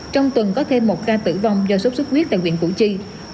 trong tuần có thêm một ca tử vong do sốt sốt huyết tại viện củ chi